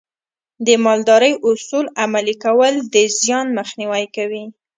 د مالدارۍ اصول عملي کول د زیان مخنیوی کوي.